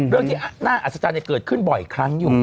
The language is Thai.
เรื่องที่น่าอัศจรรย์เกิดขึ้นบ่อยครั้งอยู่